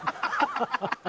ハハハハハ